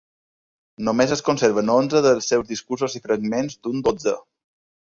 Només es conserven onze dels seus discursos i fragments d'un dotzè.